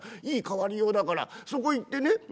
いい変わりようだからそこ行ってね